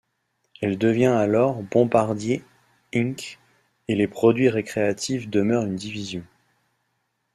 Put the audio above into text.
Elle devient alors Bombardier Inc. et les produits récréatifs demeurent une division.